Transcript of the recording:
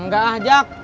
gak ah jack